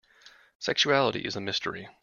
Sexuality is a mystery.